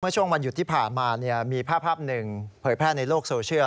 ช่วงวันหยุดที่ผ่านมามีภาพหนึ่งเผยแพร่ในโลกโซเชียล